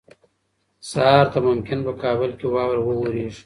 سهار ته ممکن په کابل کې واوره ووریږي.